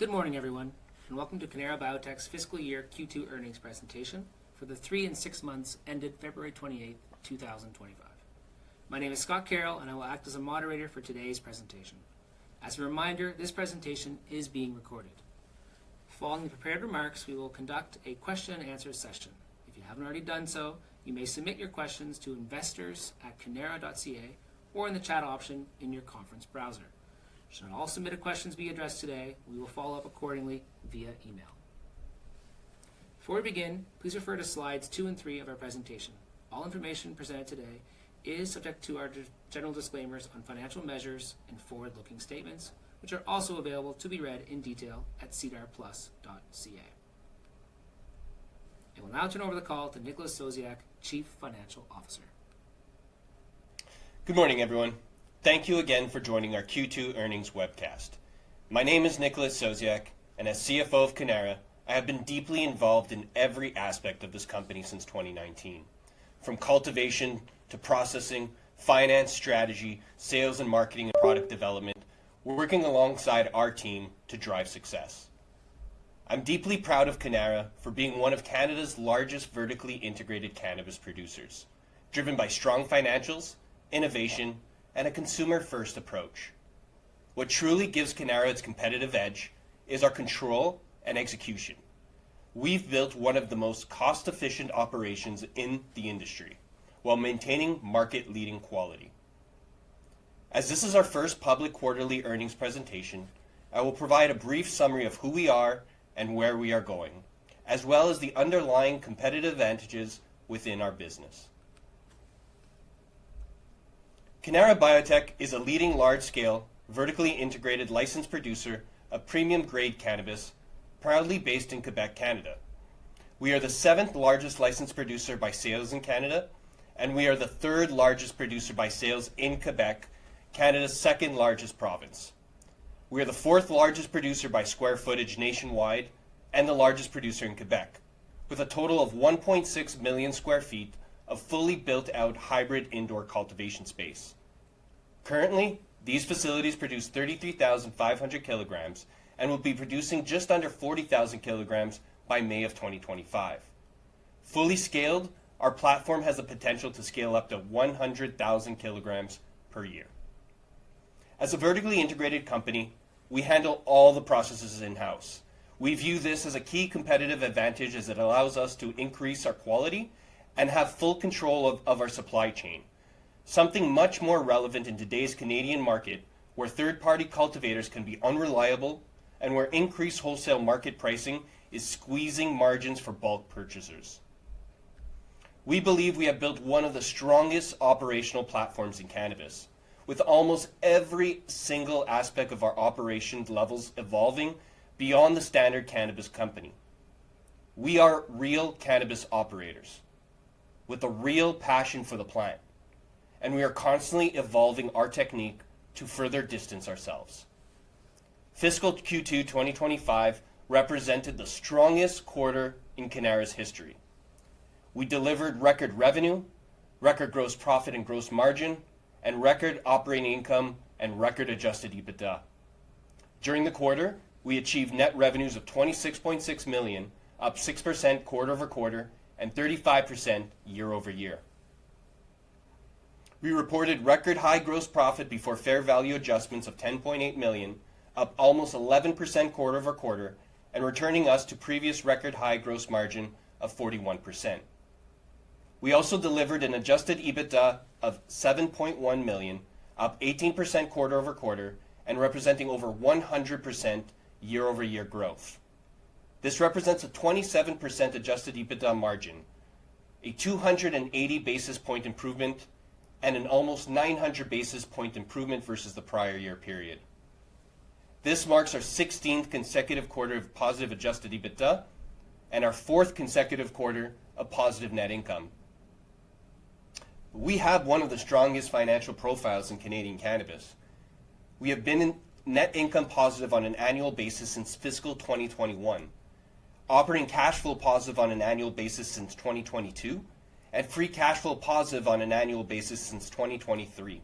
Good morning, everyone, and welcome to Cannara Biotech's fiscal year Q2 earnings presentation for the three and six months ended February 28, 2025. My name is Scott Carroll, and I will act as a moderator for today's presentation. As a reminder, this presentation is being recorded. Following the prepared remarks, we will conduct a question-and-answer session. If you have not already done so, you may submit your questions to investors@cannara.ca or in the chat option in your conference browser. Should all submitted questions be addressed today, we will follow up accordingly via email. Before we begin, please refer to slides two and three of our presentation. All information presented today is subject to our general disclaimers on financial measures and forward-looking statements, which are also available to be read in detail at sedarplus.ca. I will now turn over the call to Nicholas Sosiak, Chief Financial Officer. Good morning, everyone. Thank you again for joining our Q2 earnings webcast. My name is Nicholas Sosiak, and as CFO of Cannara, I have been deeply involved in every aspect of this company since 2019, from cultivation to processing, finance strategy, sales and marketing, and product development, working alongside our team to drive success. I'm deeply proud of Cannara for being one of Canada's largest vertically integrated cannabis producers, driven by strong financials, innovation, and a consumer-first approach. What truly gives Cannara its competitive edge is our control and execution. We've built one of the most cost-efficient operations in the industry while maintaining market-leading quality. As this is our first public quarterly earnings presentation, I will provide a brief summary of who we are and where we are going, as well as the underlying competitive advantages within our business. Cannara Biotech is a leading large-scale, vertically integrated licensed producer of premium-grade cannabis, proudly based in Quebec, Canada. We are the seventh-largest licensed producer by sales in Canada, and we are the third-largest producer by sales in Quebec, Canada's second-largest province. We are the fourth-largest producer by square footage nationwide and the largest producer in Quebec, with a total of 1.6 million sq ft of fully built-out hybrid indoor cultivation space. Currently, these facilities produce 33,500 kilograms and will be producing just under 40,000 kilograms by May of 2025. Fully scaled, our platform has the potential to scale up to 100,000 kilograms per year. As a vertically integrated company, we handle all the processes in-house. We view this as a key competitive advantage as it allows us to increase our quality and have full control of our supply chain, something much more relevant in today's Canadian market where third-party cultivators can be unreliable and where increased wholesale market pricing is squeezing margins for bulk purchasers. We believe we have built one of the strongest operational platforms in cannabis, with almost every single aspect of our operation levels evolving beyond the standard cannabis company. We are real cannabis operators with a real passion for the plant, and we are constantly evolving our technique to further distance ourselves. Fiscal Q2 2025 represented the strongest quarter in Cannara's history. We delivered record revenue, record gross profit and gross margin, and record operating income and record adjusted EBITDA. During the quarter, we achieved net revenues of 26.6 million, up 6% quarter over quarter and 35% year over year. We reported record high gross profit before fair value adjustments of 10.8 million, up almost 11% quarter over quarter, and returning us to previous record high gross margin of 41%. We also delivered an adjusted EBITDA of 7.1 million, up 18% quarter over quarter, and representing over 100% year-over-year growth. This represents a 27% adjusted EBITDA margin, a 280 basis point improvement, and an almost 900 basis point improvement versus the prior year period. This marks our 16th consecutive quarter of positive adjusted EBITDA and our fourth consecutive quarter of positive net income. We have one of the strongest financial profiles in Canadian cannabis. We have been net income positive on an annual basis since fiscal 2021, operating cash flow positive on an annual basis since 2022, and free cash flow positive on an annual basis since 2023.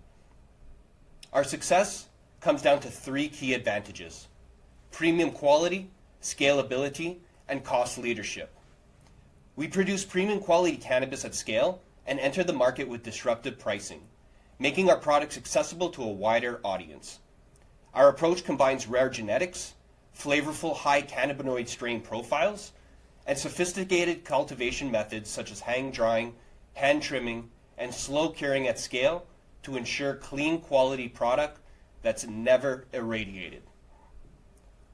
Our success comes down to three key advantages: premium quality, scalability, and cost leadership. We produce premium quality cannabis at scale and enter the market with disruptive pricing, making our products accessible to a wider audience. Our approach combines rare genetics, flavorful high cannabinoid strain profiles, and sophisticated cultivation methods such as hang-drying, hand-trimming, and slow curing at scale to ensure clean quality product that is never irradiated.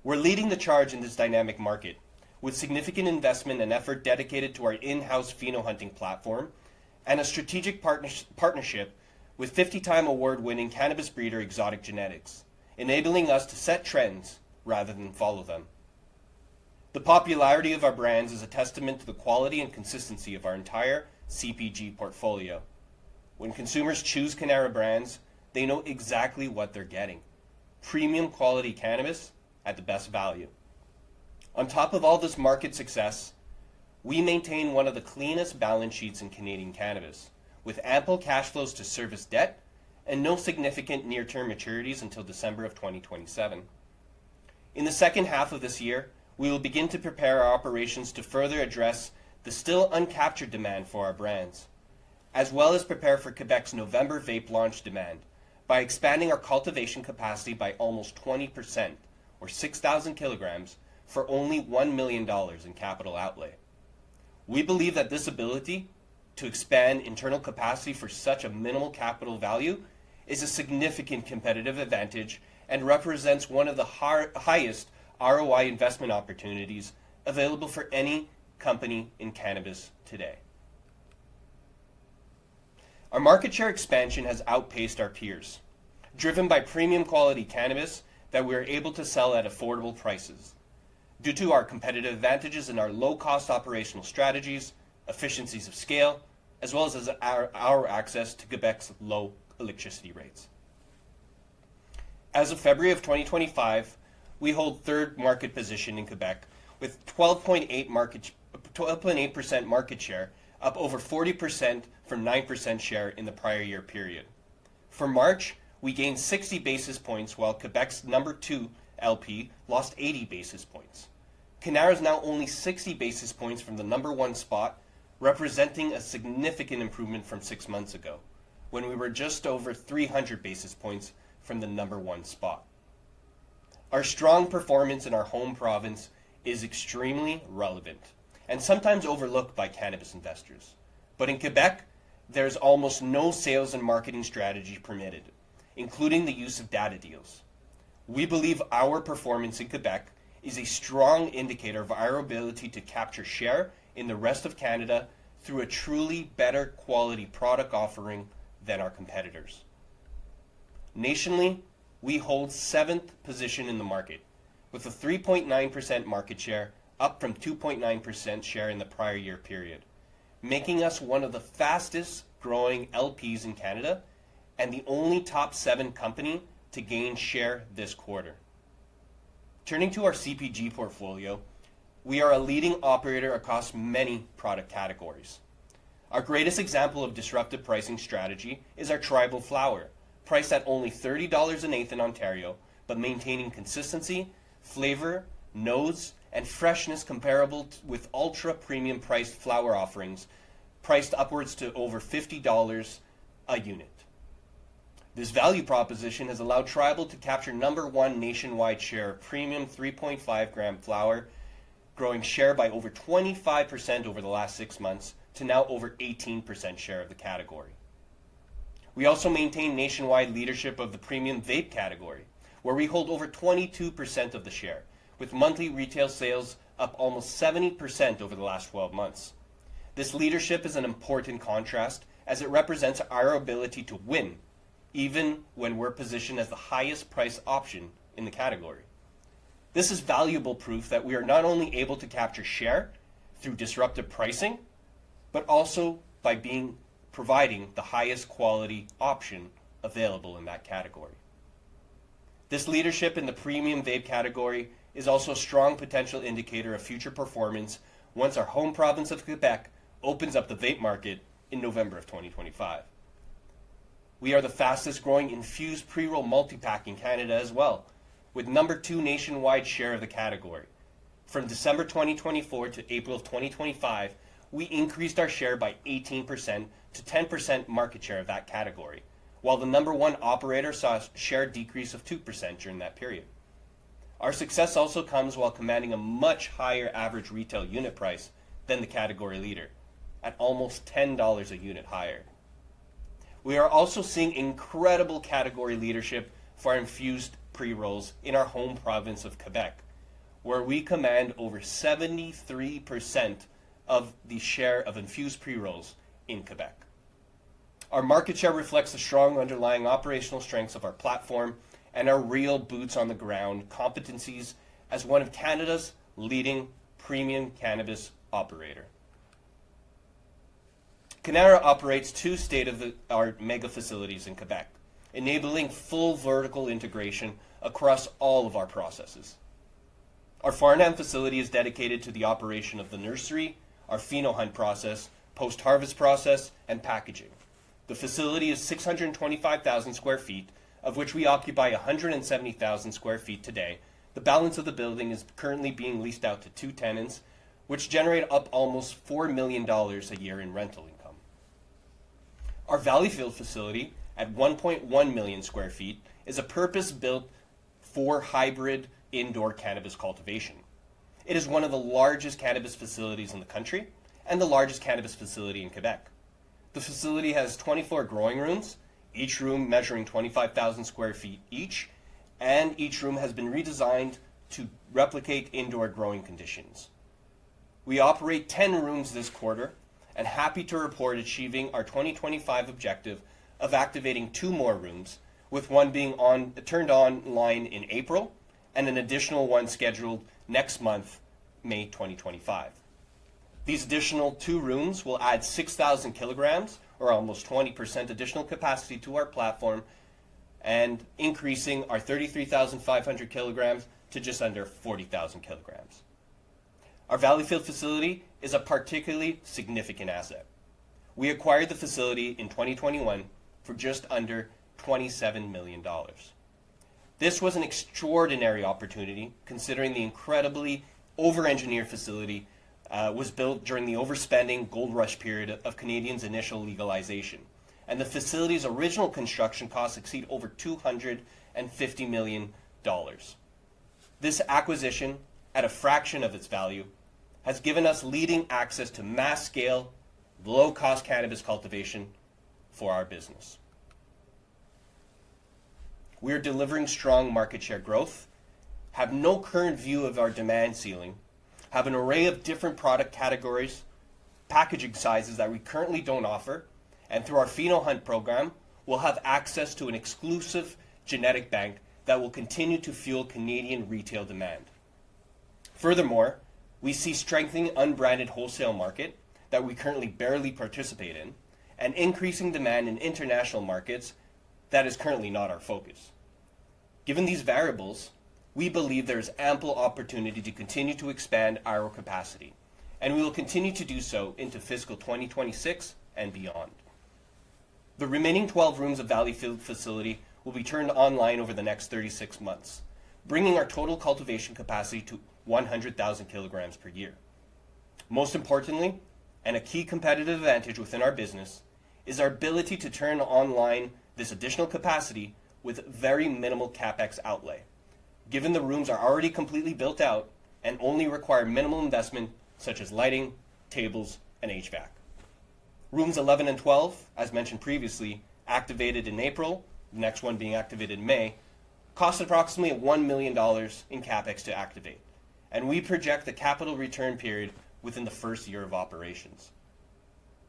We are leading the charge in this dynamic market with significant investment and effort dedicated to our in-house pheno-hunting platform and a strategic partnership with 50-time award-winning cannabis breeder Exotic Genetix, enabling us to set trends rather than follow them. The popularity of our brands is a testament to the quality and consistency of our entire CPG portfolio. When consumers choose Cannara brands, they know exactly what they are getting: premium quality cannabis at the best value. On top of all this market success, we maintain one of the cleanest balance sheets in Canadian cannabis, with ample cash flows to service debt and no significant near-term maturities until December of 2027. In the second half of this year, we will begin to prepare our operations to further address the still uncaptured demand for our brands, as well as prepare for Quebec's November vape launch demand by expanding our cultivation capacity by almost 20%, or 6,000 kilograms, for only 1 million dollars in capital outlay. We believe that this ability to expand internal capacity for such a minimal capital value is a significant competitive advantage and represents one of the highest ROI investment opportunities available for any company in cannabis today. Our market share expansion has outpaced our peers, driven by premium quality cannabis that we are able to sell at affordable prices due to our competitive advantages in our low-cost operational strategies, efficiencies of scale, as well as our access to Quebec's low electricity rates. As of February of 2025, we hold third market position in Quebec with 12.8% market share, up over 40% from 9% share in the prior year period. For March, we gained 60 basis points, while Quebec's number two LP lost 80 basis points. Cannara is now only 60 basis points from the number one spot, representing a significant improvement from six months ago, when we were just over 300 basis points from the number one spot. Our strong performance in our home province is extremely relevant and sometimes overlooked by cannabis investors. In Quebec, there is almost no sales and marketing strategy permitted, including the use of data deals. We believe our performance in Quebec is a strong indicator of our ability to capture share in the rest of Canada through a truly better quality product offering than our competitors. Nationally, we hold seventh position in the market with a 3.9% market share, up from 2.9% share in the prior year period, making us one of the fastest growing LPs in Canada and the only top seven company to gain share this quarter. Turning to our CPG portfolio, we are a leading operator across many product categories. Our greatest example of disruptive pricing strategy is our Tribal flower, priced at only 30 dollars an eighth in Ontario, but maintaining consistency, flavor, notes, and freshness comparable with ultra-premium priced flower offerings priced upwards to over 50 dollars a unit. This value proposition has allowed Tribal to capture number one nationwide share, premium 3.5 gram flower, growing share by over 25% over the last six months to now over 18% share of the category. We also maintain nationwide leadership of the premium vape category, where we hold over 22% of the share, with monthly retail sales up almost 70% over the last 12 months. This leadership is an important contrast as it represents our ability to win even when we're positioned as the highest price option in the category. This is valuable proof that we are not only able to capture share through disruptive pricing, but also by providing the highest quality option available in that category. This leadership in the premium vape category is also a strong potential indicator of future performance once our home province of Quebec opens up the vape market in November of 2025. We are the fastest growing infused pre-roll multi-pack in Canada as well, with number two nationwide share of the category. From December 2024 to April 2025, we increased our share by 18% to 10% market share of that category, while the number one operator saw a share decrease of 2% during that period. Our success also comes while commanding a much higher average retail unit price than the category leader, at almost 10 dollars a unit higher. We are also seeing incredible category leadership for infused pre-rolls in our home province of Quebec, where we command over 73% of the share of infused pre-rolls in Quebec. Our market share reflects the strong underlying operational strengths of our platform and our real boots on the ground competencies as one of Canada's leading premium cannabis operator. Cannara operates two state-of-the-art mega facilities in Quebec, enabling full vertical integration across all of our processes. Our Farnham facility is dedicated to the operation of the nursery, our pheno-hunt process, post-harvest process, and packaging. The facility is 625,000 sq ft, of which we occupy 170,000 sq ft today. The balance of the building is currently being leased out to two tenants, which generate up almost 4 million dollars a year in rental income. Our Valleyfield facility at 1.1 million sq ft is purpose-built for hybrid indoor cannabis cultivation. It is one of the largest cannabis facilities in the country and the largest cannabis facility in Quebec. The facility has 24 growing rooms, each room measuring 25,000 sq ft each, and each room has been redesigned to replicate indoor growing conditions. We operate 10 rooms this quarter and are happy to report achieving our 2025 objective of activating two more rooms, with one being turned online in April and an additional one scheduled next month, May 2025. These additional two rooms will add 6,000 kilograms, or almost 20% additional capacity to our platform, and increasing our 33,500 kilograms to just under 40,000 kilograms. Our Valleyfield facility is a particularly significant asset. We acquired the facility in 2021 for just under 27 million dollars. This was an extraordinary opportunity considering the incredibly over-engineered facility was built during the overspending gold rush period of Canadians' initial legalization, and the facility's original construction costs exceed over 250 million dollars. This acquisition, at a fraction of its value, has given us leading access to mass-scale, low-cost cannabis cultivation for our business. We are delivering strong market share growth, have no current view of our demand ceiling, have an array of different product categories, packaging sizes that we currently do not offer, and through our pheno-hunt program, we will have access to an exclusive genetic bank that will continue to fuel Canadian retail demand. Furthermore, we see strengthening unbranded wholesale market that we currently barely participate in and increasing demand in international markets that is currently not our focus. Given these variables, we believe there is ample opportunity to continue to expand our capacity, and we will continue to do so into fiscal 2026 and beyond. The remaining 12 rooms of Valleyfield facility will be turned online over the next 36 months, bringing our total cultivation capacity to 100,000 kilograms per year. Most importantly, and a key competitive advantage within our business, is our ability to turn online this additional capacity with very minimal CapEx outlay, given the rooms are already completely built out and only require minimal investment such as lighting, tables, and HVAC. Rooms 11 and 12, as mentioned previously, activated in April, the next one being activated in May, cost approximately 1 million dollars in CapEx to activate, and we project the capital return period within the first year of operations.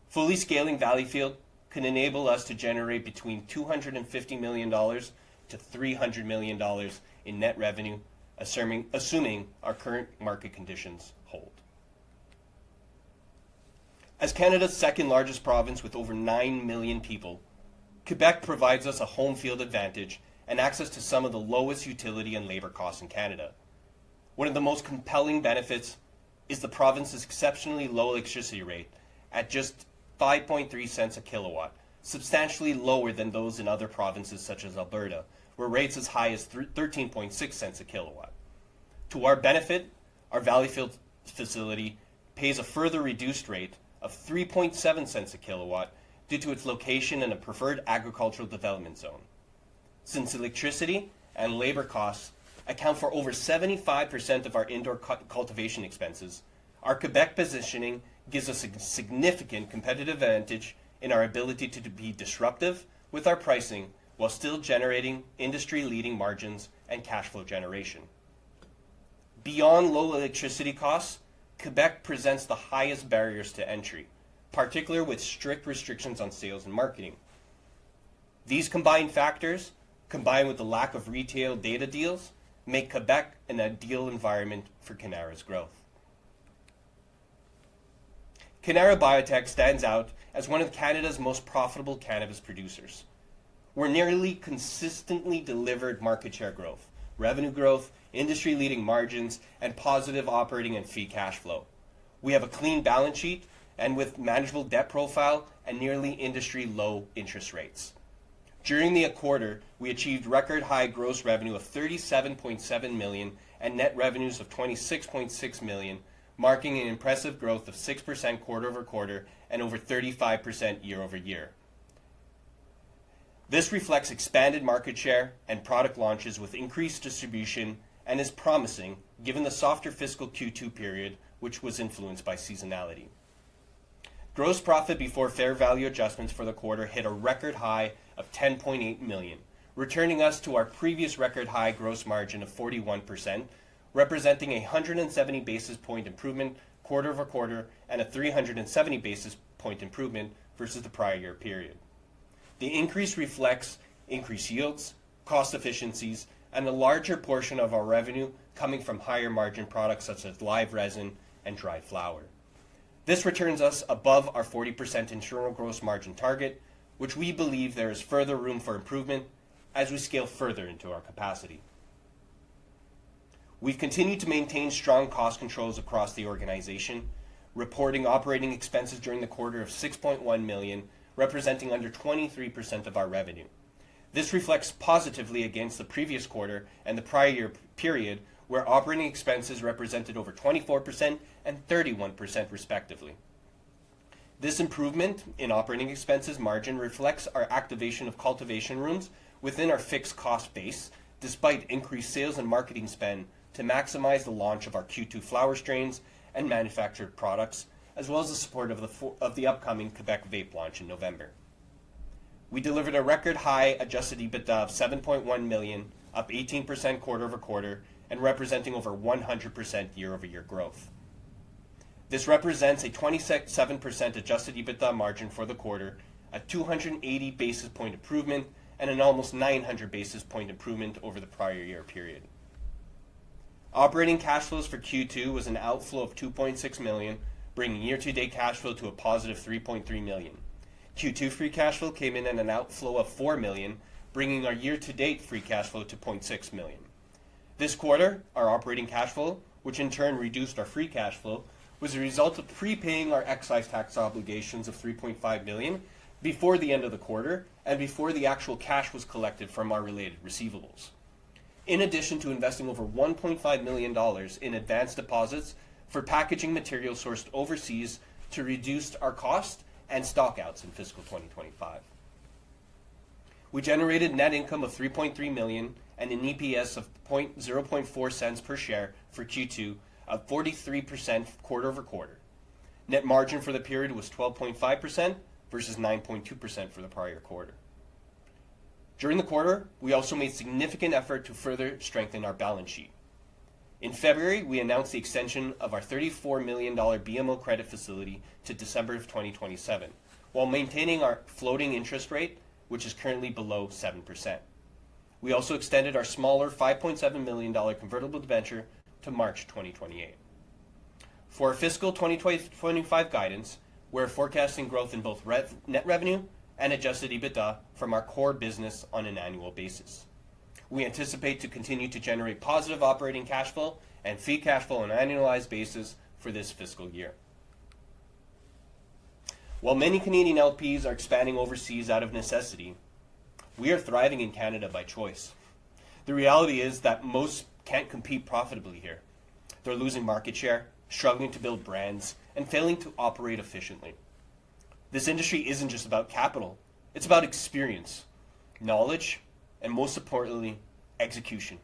Fully scaling Valleyfield can enable us to generate between 250 million-300 million dollars in net revenue, assuming our current market conditions hold. As Canada's second largest province with over 9 million people, Quebec provides us a home field advantage and access to some of the lowest utility and labor costs in Canada. One of the most compelling benefits is the province's exceptionally low electricity rate at just 0.053 a kilowatt, substantially lower than those in other provinces such as Alberta, where rates are as high as 0.136 a kilowatt. To our benefit, our Valleyfield facility pays a further reduced rate of 0.037 a kilowatt due to its location in a preferred agricultural development zone. Since electricity and labor costs account for over 75% of our indoor cultivation expenses, our Quebec positioning gives us a significant competitive advantage in our ability to be disruptive with our pricing while still generating industry-leading margins and cash flow generation. Beyond low electricity costs, Quebec presents the highest barriers to entry, particularly with strict restrictions on sales and marketing. These combined factors, combined with the lack of retail data deals, make Quebec an ideal environment for Cannara's growth. Cannara Biotech stands out as one of Canada's most profitable cannabis producers. We're nearly consistently delivered market share growth, revenue growth, industry-leading margins, and positive operating and fee cash flow. We have a clean balance sheet and with manageable debt profile and nearly industry-low interest rates. During the quarter, we achieved record high gross revenue of 37.7 million and net revenues of 26.6 million, marking an impressive growth of 6% quarter over quarter and over 35% year over year. This reflects expanded market share and product launches with increased distribution and is promising given the softer fiscal Q2 period, which was influenced by seasonality. Gross profit before fair value adjustments for the quarter hit a record high of 10.8 million, returning us to our previous record high gross margin of 41%, representing a 170 basis point improvement quarter over quarter and a 370 basis point improvement versus the prior year period. The increase reflects increased yields, cost efficiencies, and a larger portion of our revenue coming from higher margin products such as live resin and dried flower. This returns us above our 40% internal gross margin target, which we believe there is further room for improvement as we scale further into our capacity. We've continued to maintain strong cost controls across the organization, reporting operating expenses during the quarter of 6.1 million, representing under 23% of our revenue. This reflects positively against the previous quarter and the prior year period, where operating expenses represented over 24% and 31%, respectively. This improvement in operating expenses margin reflects our activation of cultivation rooms within our fixed cost base, despite increased sales and marketing spend to maximize the launch of our Q2 flower strains and manufactured products, as well as the support of the upcoming Quebec Vape launch in November. We delivered a record high adjusted EBITDA of 7.1 million, up 18% quarter over quarter, and representing over 100% year over year growth. This represents a 27% adjusted EBITDA margin for the quarter, a 280 basis point improvement, and an almost 900 basis point improvement over the prior year period. Operating cash flows for Q2 was an outflow of 2.6 million, bringing year-to-date cash flow to a positive 3.3 million. Q2 free cash flow came in at an outflow of 4 million, bringing our year-to-date free cash flow to 0.6 million. This quarter, our operating cash flow, which in turn reduced our free cash flow, was a result of prepaying our excise tax obligations of 3.5 million before the end of the quarter and before the actual cash was collected from our related receivables. In addition to investing over 1.5 million dollars in advanced deposits for packaging material sourced overseas to reduce our cost and stockouts in fiscal 2025, we generated net income of 3.3 million and an EPS of 0.004 per share for Q2 of 43% quarter over quarter. Net margin for the period was 12.5% versus 9.2% for the prior quarter. During the quarter, we also made significant effort to further strengthen our balance sheet. In February, we announced the extension of our 34 million dollar BMO credit facility to December of 2027, while maintaining our floating interest rate, which is currently below 7%. We also extended our smaller 5.7 million dollar convertible venture to March 2028. For our fiscal 2025 guidance, we're forecasting growth in both net revenue and adjusted EBITDA from our core business on an annual basis. We anticipate to continue to generate positive operating cash flow and free cash flow on an annualized basis for this fiscal year. While many Canadian LPs are expanding overseas out of necessity, we are thriving in Canada by choice. The reality is that most can't compete profitably here. They're losing market share, struggling to build brands, and failing to operate efficiently. This industry isn't just about capital; it's about experience, knowledge, and most importantly, execution.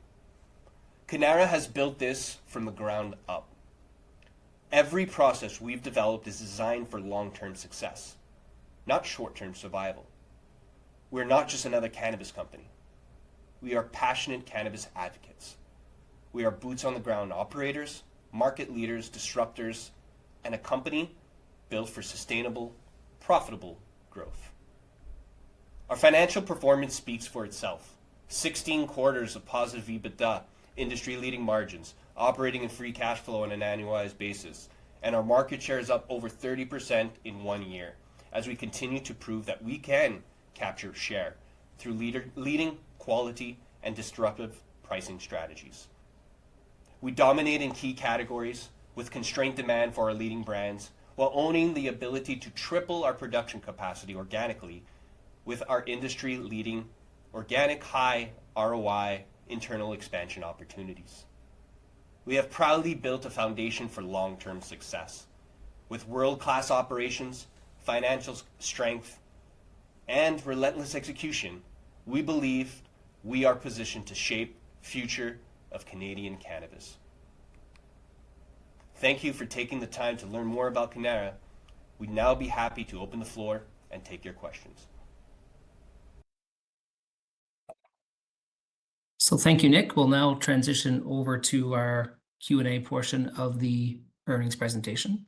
Cannara has built this from the ground up. Every process we've developed is designed for long-term success, not short-term survival. We're not just another cannabis company. We are passionate cannabis advocates. We are boots on the ground operators, market leaders, disruptors, and a company built for sustainable, profitable growth. Our financial performance speaks for itself: 16 quarters of positive EBITDA, industry-leading margins, operating in free cash flow on an annualized basis, and our market share is up over 30% in one year as we continue to prove that we can capture share through leading quality and disruptive pricing strategies. We dominate in key categories with constrained demand for our leading brands while owning the ability to triple our production capacity organically with our industry-leading organic high ROI internal expansion opportunities. We have proudly built a foundation for long-term success. With world-class operations, financial strength, and relentless execution, we believe we are positioned to shape the future of Canadian cannabis. Thank you for taking the time to learn more about Cannara. We'd now be happy to open the floor and take your questions. Thank you, Nick. We will now transition over to our Q&A portion of the earnings presentation.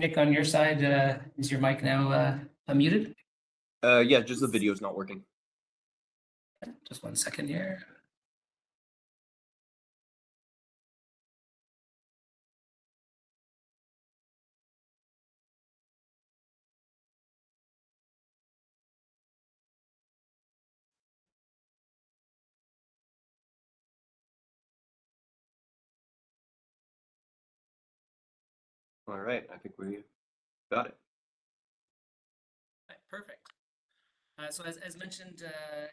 Nick, on your side, is your mic now unmuted? Yeah, just the video is not working. Just one second here. All right. I think we got it. All right, perfect. As mentioned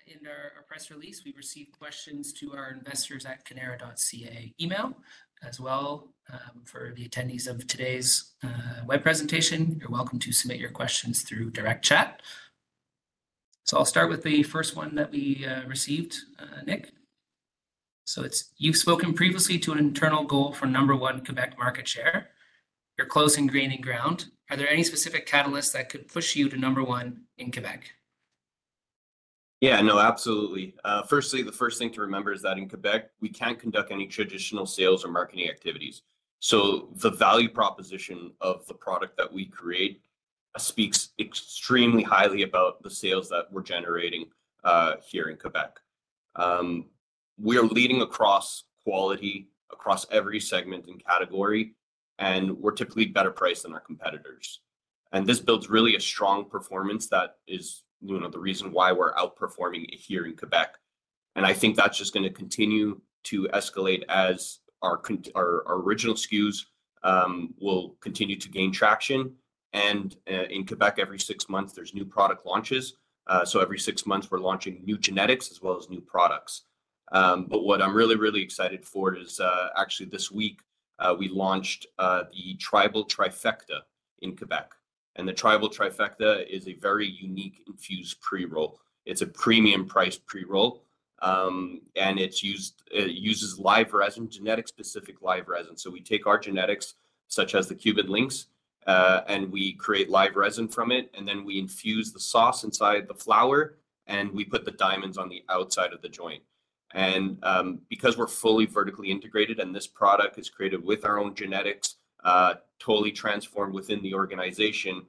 in our press release, we received questions to our investors@cannara.ca email as well. For the attendees of today's web presentation, you're welcome to submit your questions through direct chat. I'll start with the first one that we received, Nick. It's, "You've spoken previously to an internal goal for number one Quebec market share. You're closing gaining ground. Are there any specific catalysts that could push you to number one in Quebec? Yeah, no, absolutely. Firstly, the first thing to remember is that in Quebec, we can't conduct any traditional sales or marketing activities. The value proposition of the product that we create speaks extremely highly about the sales that we're generating here in Quebec. We are leading across quality, across every segment and category, and we're typically better priced than our competitors. This builds really a strong performance that is the reason why we're outperforming here in Quebec. I think that's just going to continue to escalate as our original SKUs will continue to gain traction. In Quebec, every six months, there's new product launches. Every six months, we're launching new genetics as well as new products. What I'm really, really excited for is actually this week, we launched the Tribal Trifecta in Quebec. The Tribal Trifecta is a very unique infused pre-roll. It's a premium-priced pre-roll, and it uses live resin, genetic-specific live resin. We take our genetics, such as the Cuban Linx, and we create live resin from it, and then we infuse the sauce inside the flower, and we put the diamonds on the outside of the joint. Because we're fully vertically integrated and this product is created with our own genetics, totally transformed within the organization,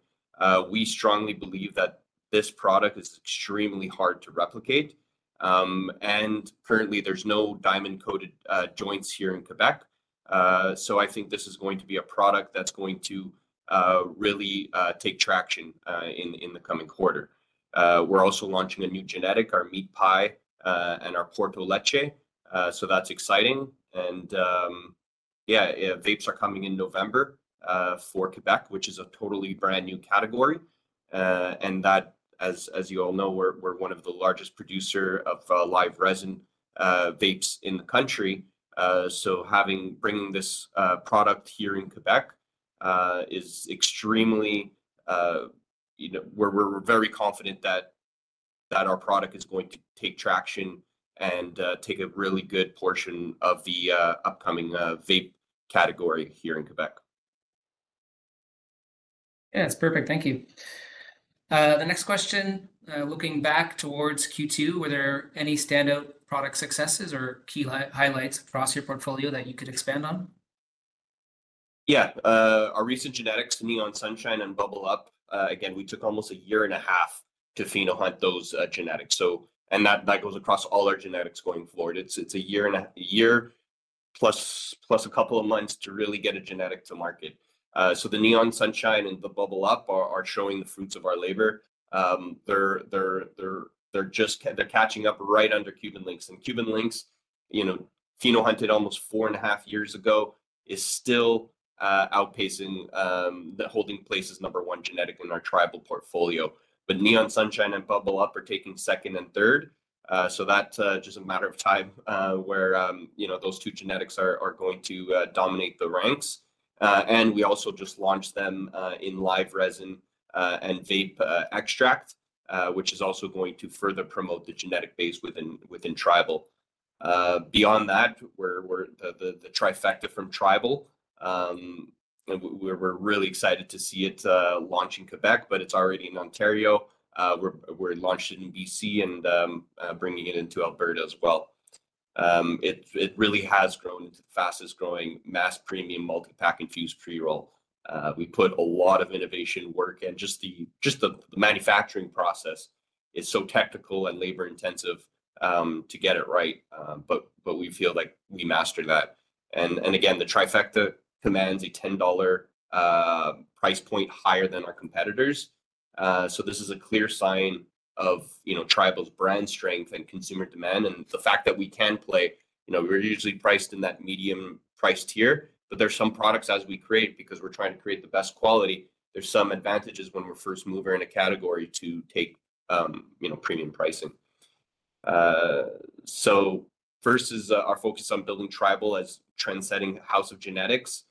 we strongly believe that this product is extremely hard to replicate. Currently, there's no diamond-coated joints here in Quebec. I think this is going to be a product that's going to really take traction in the coming quarter. We're also launching a new genetic, our Meat Pie and our Porto Leche. That's exciting. Yeah, vapes are coming in November for Quebec, which is a totally brand new category. As you all know, we're one of the largest producers of live resin vapes in the country. Bringing this product here in Quebec is extremely—we're very confident that our product is going to take traction and take a really good portion of the upcoming vape category here in Quebec. Yeah, that's perfect. Thank you. The next question, looking back towards Q2, were there any standout product successes or key highlights across your portfolio that you could expand on? Yeah, our recent genetics, Neon Sunshine and Bubble Up. Again, we took almost a year and a half to phenohunt those genetics. That goes across all our genetics going forward. It's a year plus a couple of months to really get a genetic to market. The Neon Sunshine and the Bubble Up are showing the fruits of our labor. They're just catching up right under Cuban Linx. Cuban Linx, phenohunted almost four and a half years ago, is still outpacing the holding place as number one genetic in our Tribal portfolio. Neon Sunshine and Bubble Up are taking second and third. That's just a matter of time where those two genetics are going to dominate the ranks. We also just launched them in live resin and vape extract, which is also going to further promote the genetic base within Tribal. Beyond that, the Trifecta from Tribal, we're really excited to see it launch in Quebec, but it's already in Ontario. We're launched in BC and bringing it into Alberta as well. It really has grown into the fastest-growing mass premium multi-pack infused pre-roll. We put a lot of innovation work, and just the manufacturing process is so technical and labor-intensive to get it right, but we feel like we mastered that. The Trifecta commands a 10 dollar price point higher than our competitors. This is a clear sign of Tribal's brand strength and consumer demand. The fact that we can play, we're usually priced in that medium price tier, but there's some products as we create because we're trying to create the best quality. There's some advantages when we're first moving in a category to take premium pricing. First is our focus on building Tribal as a trendsetting house of genetics.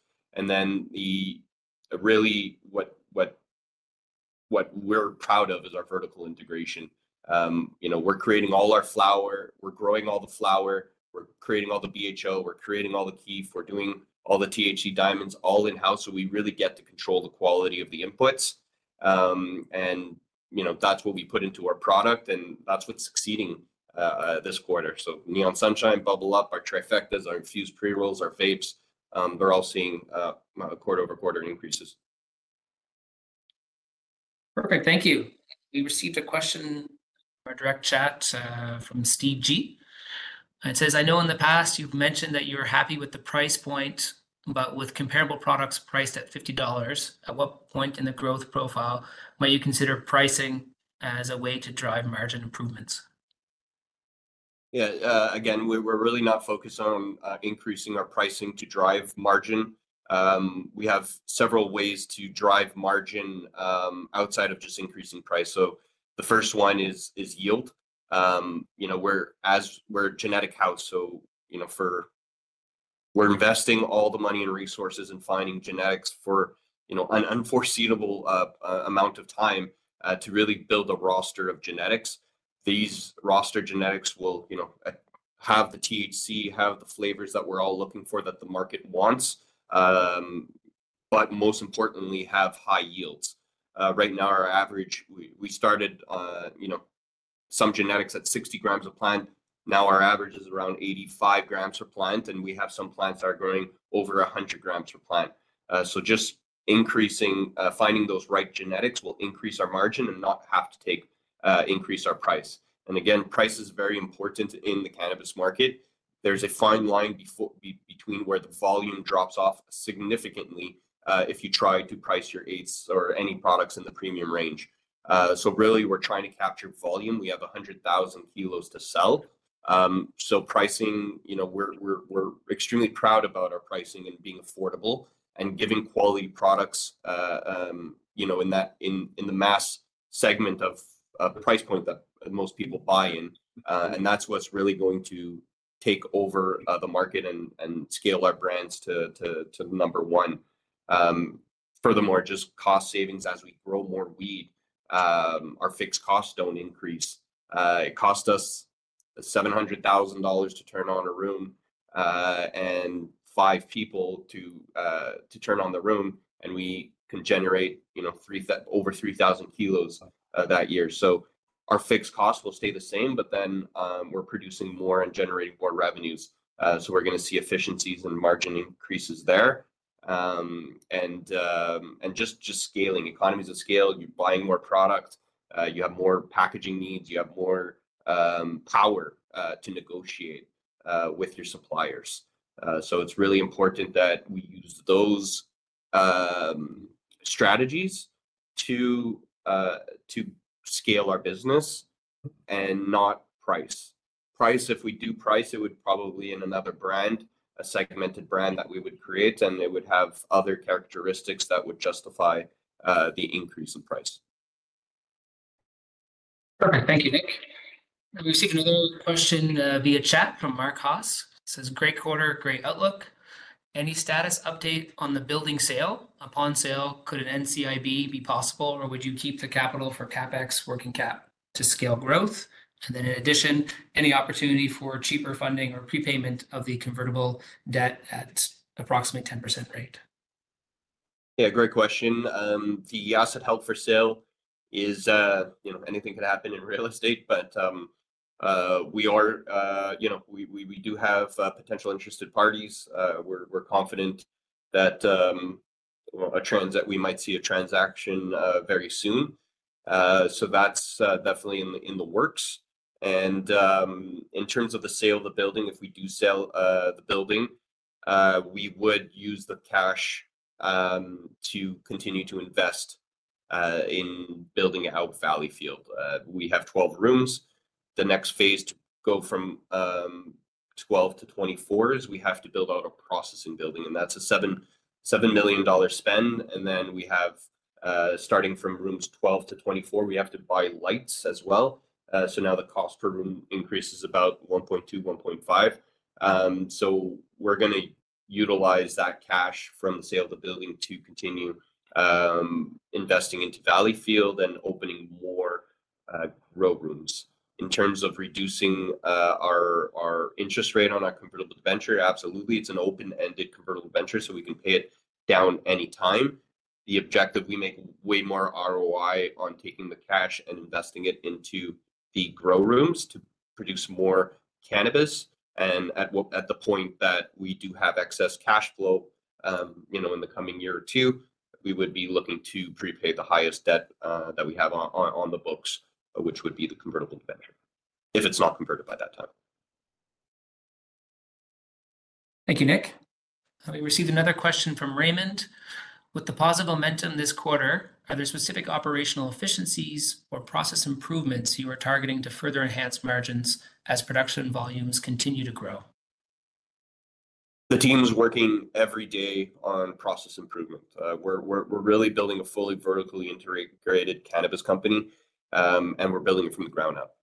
What we're proud of is our vertical integration. We're creating all our flower. We're growing all the flower. We're creating all the BHO. We're creating all the kief. We're doing all the THC diamonds all in-house. We really get to control the quality of the inputs. That's what we put into our product, and that's what's succeeding this quarter. Neon Sunshine, Bubble Up, our Trifectas, our infused pre-rolls, our vapes, they're all seeing quarter over quarter increases. Perfect. Thank you. We received a question from our direct chat from Steve G. It says, "I know in the past you've mentioned that you're happy with the price point, but with comparable products priced at 50 dollars, at what point in the growth profile might you consider pricing as a way to drive margin improvements? Yeah, again, we're really not focused on increasing our pricing to drive margin. We have several ways to drive margin outside of just increasing price. The first one is yield. We're a genetic house, so we're investing all the money and resources and finding genetics for an unforeseeable amount of time to really build a roster of genetics. These roster genetics will have the THC, have the flavors that we're all looking for that the market wants, but most importantly, have high yields. Right now, our average—we started some genetics at 60 grams a plant. Now our average is around 85 grams per plant, and we have some plants that are growing over 100 grams per plant. Just finding those right genetics will increase our margin and not have to increase our price. Price is very important in the cannabis market. There's a fine line between where the volume drops off significantly if you try to price your aids or any products in the premium range. Really, we're trying to capture volume. We have 100,000 kilos to sell. Pricing, we're extremely proud about our pricing and being affordable and giving quality products in the mass segment of price point that most people buy in. That's what's really going to take over the market and scale our brands to number one. Furthermore, just cost savings as we grow more weed. Our fixed costs don't increase. It costs us 700,000 dollars to turn on a room and five people to turn on the room, and we can generate over 3,000 kilos that year. Our fixed costs will stay the same, but then we're producing more and generating more revenues. We're going to see efficiencies and margin increases there. Just scaling, economies of scale, you're buying more product, you have more packaging needs, you have more power to negotiate with your suppliers. It is really important that we use those strategies to scale our business and not price. If we do price, it would probably be in another brand, a segmented brand that we would create, and it would have other characteristics that would justify the increase in price. Perfect. Thank you, Nick. We received another question via chat from Mark Haas. It says, "Great quarter, great outlook. Any status update on the building sale? Upon sale, could an NCIB be possible, or would you keep the capital for CapEx working cap to scale growth? In addition, any opportunity for cheaper funding or prepayment of the convertible debt at approximately 10% rate? Yeah, great question. The asset held for sale is anything could happen in real estate, but we do have potential interested parties. We're confident that a transaction, we might see a transaction very soon. That's definitely in the works. In terms of the sale of the building, if we do sell the building, we would use the cash to continue to invest in building out Valleyfield. We have 12 rooms. The next phase to go from 12 to 24 is we have to build out a processing building, and that's a 7 million dollar spend. We have, starting from rooms 12 to 24, we have to buy lights as well. Now the cost per room increases about 1.2 million-1.5 million. We're going to utilize that cash from the sale of the building to continue investing into Valleyfield and opening more grow rooms. In terms of reducing our interest rate on our convertible venture, absolutely. It is an open-ended convertible venture, so we can pay it down any time. The objective, we make way more ROI on taking the cash and investing it into the grow rooms to produce more cannabis. At the point that we do have excess cash flow in the coming year or two, we would be looking to prepay the highest debt that we have on the books, which would be the convertible venture, if it is not converted by that time. Thank you, Nick. We received another question from Raymond. With the positive momentum this quarter, are there specific operational efficiencies or process improvements you are targeting to further enhance margins as production volumes continue to grow? The team's working every day on process improvement. We're really building a fully vertically integrated cannabis company, and we're building it from the ground up.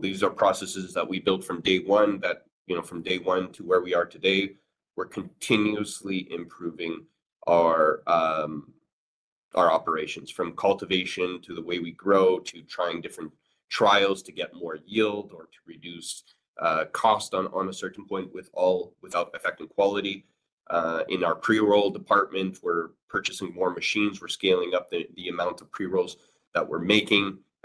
These are processes that we built from day one, that from day one to where we are today, we're continuously improving our operations from cultivation to the way we grow to trying different trials to get more yield or to reduce cost on a certain point without affecting quality. In our pre-roll department,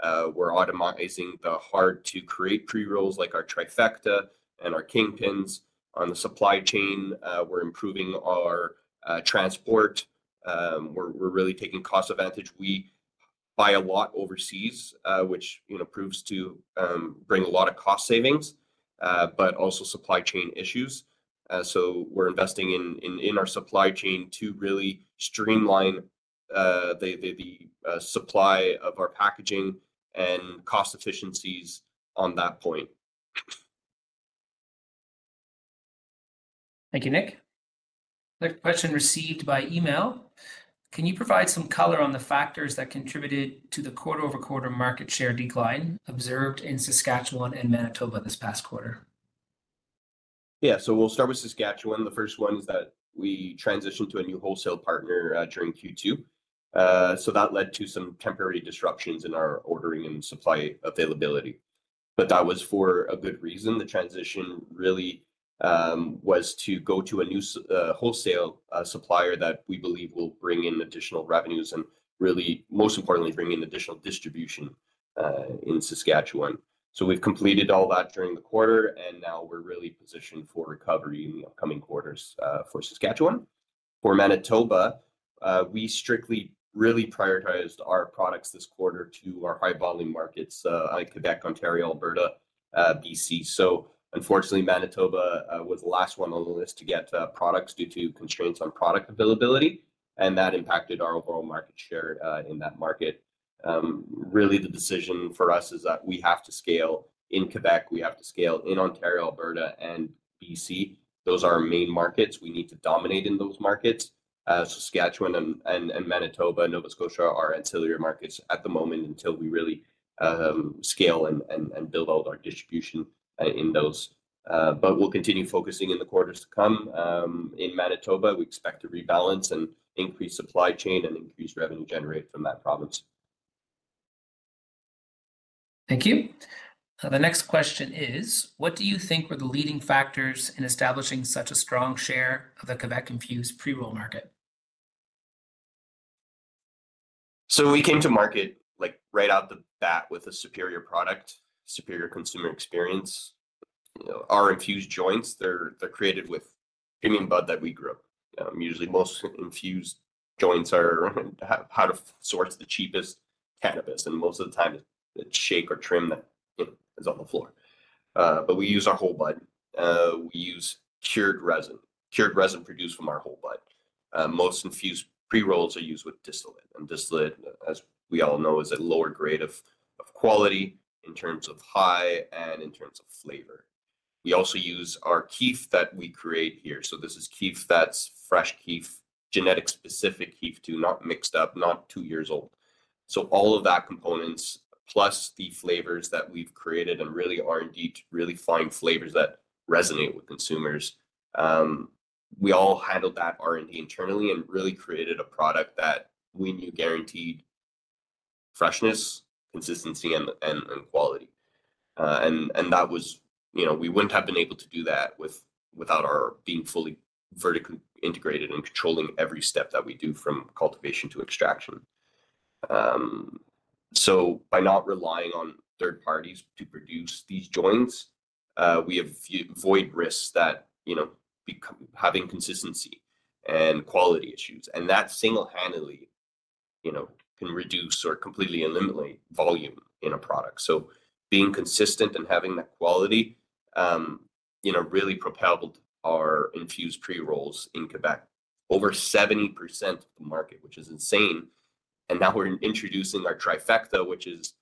we're purchasing more machines. We're scaling up the amount of pre-rolls that we're making. We're automatizing the hard-to-create pre-rolls like our Trifecta and our Kingpins. On the supply chain, we're improving our transport. We're really taking cost advantage. We buy a lot overseas, which proves to bring a lot of cost savings, but also supply chain issues. We're investing in our supply chain to really streamline the supply of our packaging and cost efficiencies on that point. Thank you, Nick. Question received by email. Can you provide some color on the factors that contributed to the quarter-over-quarter market share decline observed in Saskatchewan and Manitoba this past quarter? Yeah. We'll start with Saskatchewan. The first one is that we transitioned to a new wholesale partner during Q2. That led to some temporary disruptions in our ordering and supply availability. That was for a good reason. The transition really was to go to a new wholesale supplier that we believe will bring in additional revenues and, most importantly, bring in additional distribution in Saskatchewan. We've completed all that during the quarter, and now we're really positioned for recovery in the upcoming quarters for Saskatchewan. For Manitoba, we strictly really prioritized our products this quarter to our high-volume markets in Quebec, Ontario, Alberta, BC. Unfortunately, Manitoba was the last one on the list to get products due to constraints on product availability, and that impacted our overall market share in that market. Really, the decision for us is that we have to scale in Quebec. We have to scale in Ontario, Alberta, and BC. Those are our main markets. We need to dominate in those markets. Saskatchewan, Manitoba, and Nova Scotia are ancillary markets at the moment until we really scale and build out our distribution in those. We'll continue focusing in the quarters to come. In Manitoba, we expect to rebalance and increase supply chain and increase revenue generated from that province. Thank you. The next question is, what do you think were the leading factors in establishing such a strong share of the Quebec-infused pre-roll market? We came to market right out the bat with a superior product, superior consumer experience. Our infused joints, they're created with premium bud that we grow. Usually, most infused joints are how to source the cheapest cannabis. Most of the time, it's shake or trim that is on the floor. We use our whole bud. We use cured resin. Cured resin produced from our whole bud. Most infused pre-rolls are used with distillate. Distillate, as we all know, is a lower grade of quality in terms of high and in terms of flavor. We also use our kief that we create here. This is kief that's fresh kief, genetic-specific kief, not mixed up, not two years old. All of that components, plus the flavors that we've created and really R&D to really find flavors that resonate with consumers. We all handled that R&D internally and really created a product that we knew guaranteed freshness, consistency, and quality. That was we wouldn't have been able to do that without our being fully vertically integrated and controlling every step that we do from cultivation to extraction. By not relying on third parties to produce these joints, we avoid risks that having consistency and quality issues. That single-handedly can reduce or completely eliminate volume in a product. Being consistent and having that quality really propelled our infused pre-rolls in Quebec, over 70% of the market, which is insane. Now we're introducing our Trifecta, which is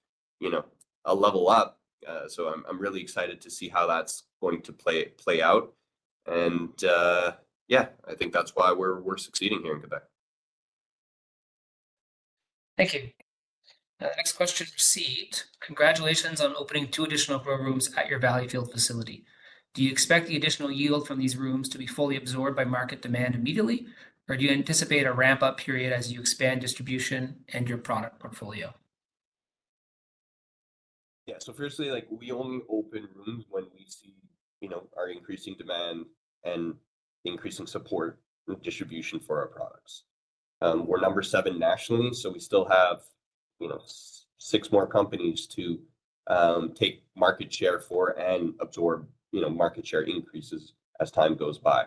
a level up. I'm really excited to see how that's going to play out. I think that's why we're succeeding here in Quebec. Thank you. Next question received. Congratulations on opening two additional grow rooms at your Valleyfield facility. Do you expect the additional yield from these rooms to be fully absorbed by market demand immediately, or do you anticipate a ramp-up period as you expand distribution and your product portfolio? Yeah. Firstly, we only open rooms when we see our increasing demand and increasing support and distribution for our products. We're number seven nationally, so we still have six more companies to take market share from and absorb market share increases as time goes by.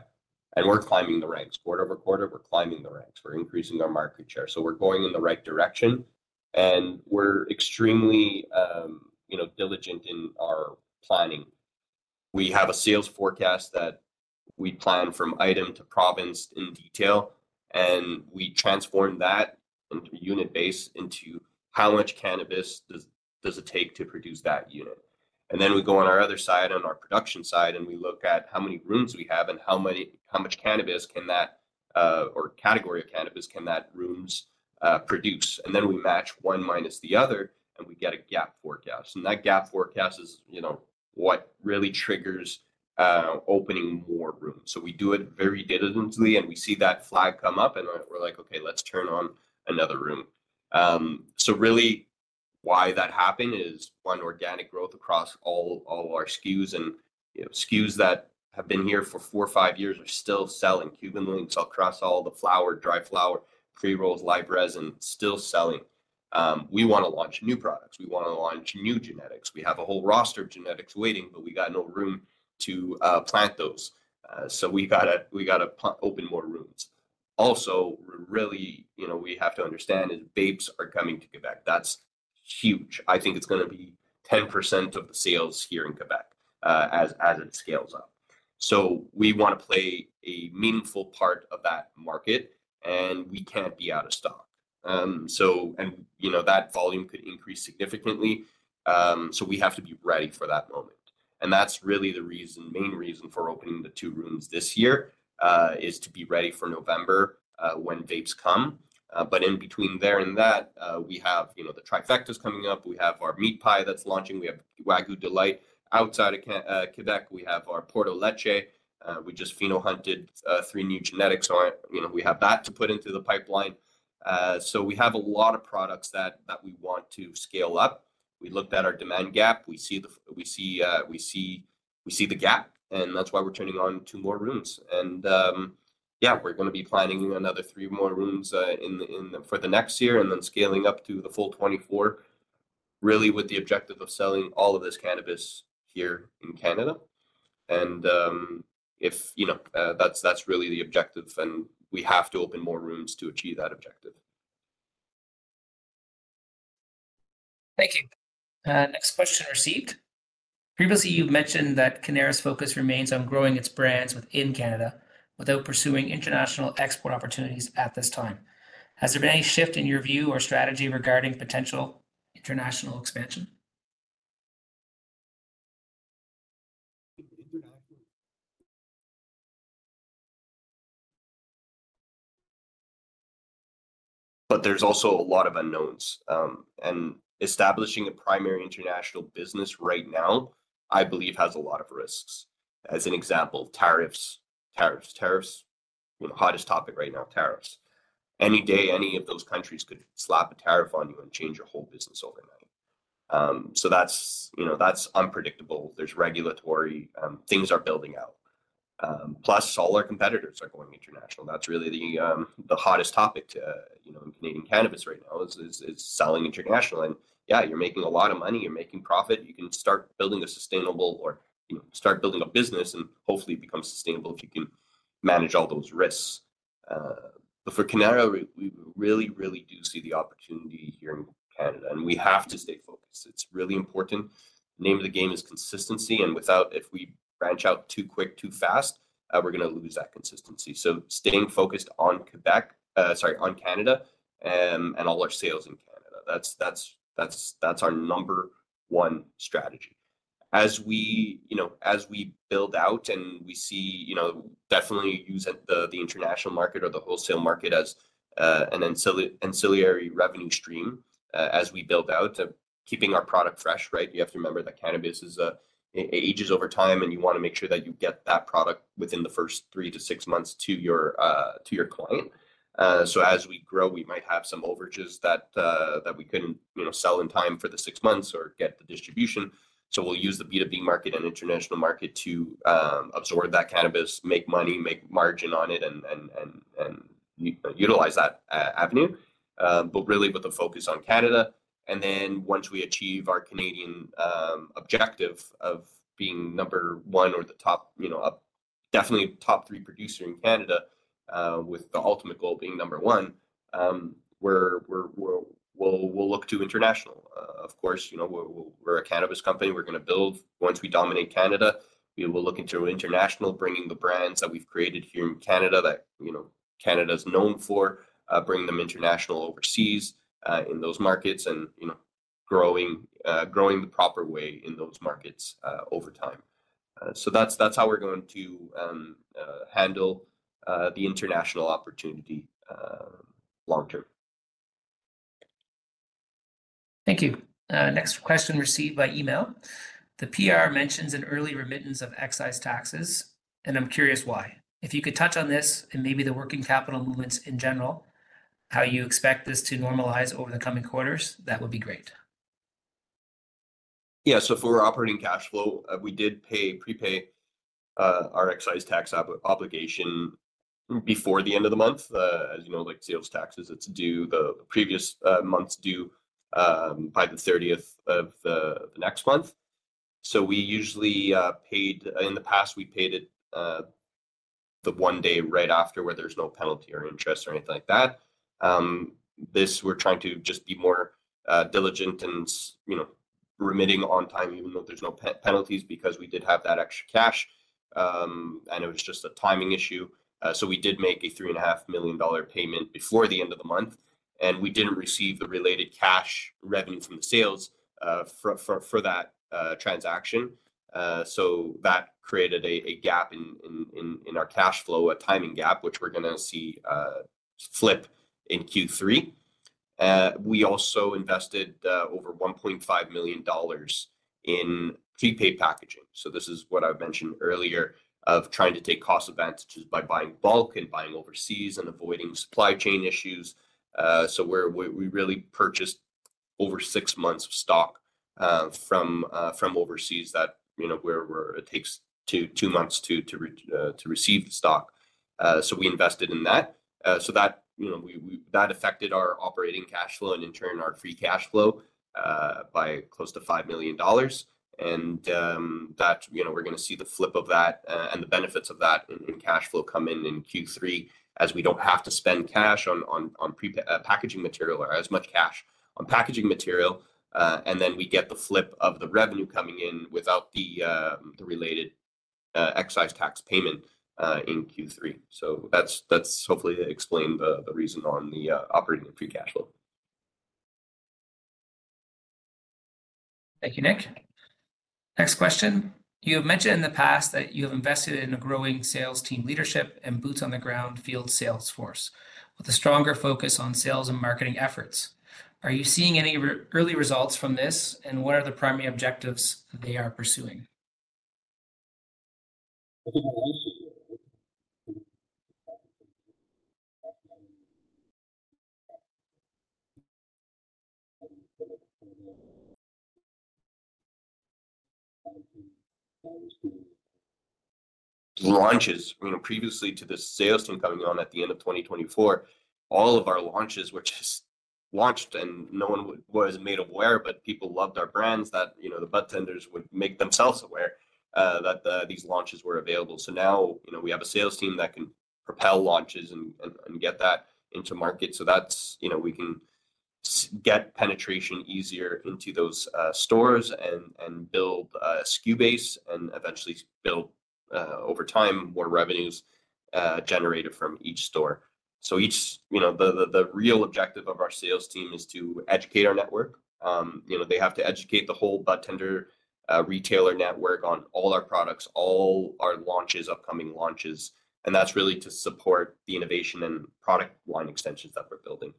We're climbing the ranks. Quarter over quarter, we're climbing the ranks. We're increasing our market share. We're going in the right direction, and we're extremely diligent in our planning. We have a sales forecast that we plan from item to province in detail, and we transform that unit base into how much cannabis does it take to produce that unit. We go on our other side on our production side, and we look at how many rooms we have and how much cannabis or category of cannabis can that room produce. We match one minus the other, and we get a gap forecast. That gap forecast is what really triggers opening more rooms. We do it very diligently, and we see that flag come up, and we're like, "Okay, let's turn on another room." Really, why that happened is, one, organic growth across all our SKUs. SKUs that have been here for four or five years are still selling. Cuban Linx across all the flower, dry flower, pre-rolls, live resin, still selling. We want to launch new products. We want to launch new genetics. We have a whole roster of genetics waiting, but we got no room to plant those. We got to open more rooms. Also, really, we have to understand is vapes are coming to Quebec. That's huge. I think it's going to be 10% of the sales here in Quebec as it scales up. We want to play a meaningful part of that market, and we can't be out of stock. That volume could increase significantly. We have to be ready for that moment. That's really the main reason for opening the two rooms this year, to be ready for November when vapes come. In between there and that, we have the Trifectas coming up. We have our Meat Pie that's launching. We have Wagyu Delight outside of Quebec. We have our Porto Leche. We just pheno-hunted three new genetics. We have that to put into the pipeline. We have a lot of products that we want to scale up. We looked at our demand gap. We see the gap, and that's why we're turning on two more rooms. Yeah, we're going to be planning another three more rooms for next year and then scaling up to the full 24, really with the objective of selling all of this cannabis here in Canada. That's really the objective, and we have to open more rooms to achieve that objective. Thank you. Next question received. Previously, you've mentioned that Cannara's focus remains on growing its brands within Canada without pursuing international export opportunities at this time. Has there been any shift in your view or strategy regarding potential international expansion? There is also a lot of unknowns. Establishing a primary international business right now, I believe, has a lot of risks. As an example, tariffs. Tariffs, tariffs. Hottest topic right now, tariffs. Any day, any of those countries could slap a tariff on you and change your whole business overnight. That is unpredictable. There is regulatory. Things are building out. Plus, all our competitors are going international. That is really the hottest topic in Canadian cannabis right now, selling international. You are making a lot of money. You are making profit. You can start building a sustainable or start building a business and hopefully become sustainable if you can manage all those risks. For Cannara, we really, really do see the opportunity here in Canada, and we have to stay focused. It is really important. The name of the game is consistency. If we branch out too quick, too fast, we're going to lose that consistency. Staying focused on Quebec, sorry, on Canada and all our sales in Canada, that's our number one strategy. As we build out and we definitely use the international market or the wholesale market as an ancillary revenue stream as we build out, keeping our product fresh, right? You have to remember that cannabis ages over time, and you want to make sure that you get that product within the first three to six months to your client. As we grow, we might have some overages that we couldn't sell in time for the six months or get the distribution. We'll use the B2B market and international market to absorb that cannabis, make money, make margin on it, and utilize that avenue. Really, with a focus on Canada. Once we achieve our Canadian objective of being number one or the top, definitely top three producer in Canada with the ultimate goal being number one, we will look to international. Of course, we are a cannabis company. We are going to build. Once we dominate Canada, we will look into international, bringing the brands that we have created here in Canada that Canada is known for, bringing them international overseas in those markets and growing the proper way in those markets over time. That is how we are going to handle the international opportunity long-term. Thank you. Next question received by email. The PR mentions an early remittance of excise taxes, and I'm curious why. If you could touch on this and maybe the working capital movements in general, how you expect this to normalize over the coming quarters, that would be great. Yeah. For operating cash flow, we did prepay our excise tax obligation before the end of the month. As you know, like sales taxes, it is due the previous month's due by the 30th of the next month. We usually paid in the past, we paid it the one day right after where there is no penalty or interest or anything like that. This, we are trying to just be more diligent and remitting on time, even though there are no penalties, because we did have that extra cash. I know it is just a timing issue. We did make a 3,500,000 dollar payment before the end of the month, and we did not receive the related cash revenue from the sales for that transaction. That created a gap in our cash flow, a timing gap, which we are going to see flip in Q3. We also invested over 1.5 million dollars in prepaid packaging. This is what I mentioned earlier of trying to take cost advantages by buying bulk and buying overseas and avoiding supply chain issues. We really purchased over six months of stock from overseas where it takes two months to receive the stock. We invested in that. That affected our operating cash flow and in turn our free cash flow by close to 5 million dollars. We are going to see the flip of that and the benefits of that in cash flow come in Q3 as we do not have to spend cash on packaging material or as much cash on packaging material. We get the flip of the revenue coming in without the related excise tax payment in Q3. Hopefully that explained the reason on the operating free cash flow. Thank you, Nick. Next question. You have mentioned in the past that you have invested in a growing sales team leadership and boots-on-the-ground field sales force with a stronger focus on sales and marketing efforts. Are you seeing any early results from this, and what are the primary objectives they are pursuing? Previously to the sales team coming on at the end of 2024, all of our launches were just launched, and no one was made aware, but people loved our brands that the budtenders would make themselves aware that these launches were available. Now we have a sales team that can propel launches and get that into market. We can get penetration easier into those stores and build a SKU base and eventually build over time more revenues generated from each store. The real objective of our sales team is to educate our network. They have to educate the whole budtender retailer network on all our products, all our upcoming launches. That is really to support the innovation and product line extensions that we are building.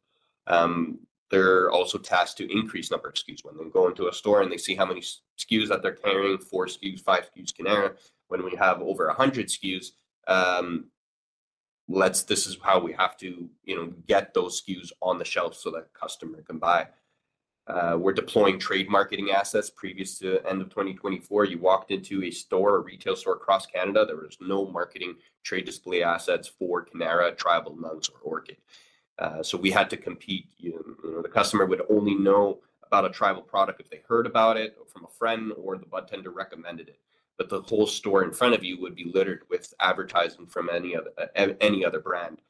They are also tasked to increase number of SKUs. When they go into a store and they see how many SKUs that they're carrying, four SKUs, five SKUs Cannara, when we have over 100 SKUs, this is how we have to get those SKUs on the shelf so that customer can buy. We're deploying trade marketing assets previous to the end of 2024. You walked into a store, a retail store across Canada, there was no marketing trade display assets for Cannara, Tribal, Nugz, or Orchid. We had to compete. The customer would only know about a Tribal product if they heard about it from a friend or the budtender recommended it. The whole store in front of you would be littered with advertising from any other brand.